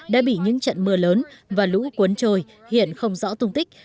đã bị những trận mưa lớn và lũ cuốn trôi hiện không rõ tung tích